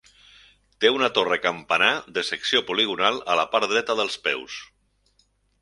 Té una torre campanar de secció poligonal a la part dreta dels peus.